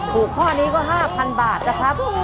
ข้อนี้ก็๕๐๐บาทนะครับ